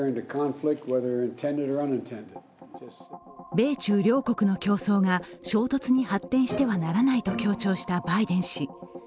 米中両国の競争が衝突に発展してはならないと強調したバイデン氏。